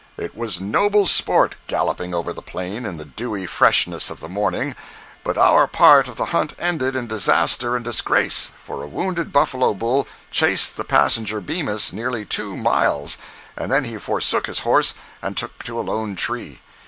It was noble sport galloping over the plain in the dewy freshness of the morning, but our part of the hunt ended in disaster and disgrace, for a wounded buffalo bull chased the passenger Bemis nearly two miles, and then he forsook his horse and took to a lone tree.